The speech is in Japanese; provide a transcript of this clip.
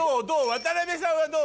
渡辺さんはどう？